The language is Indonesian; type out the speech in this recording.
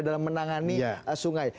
dalam menangani sungai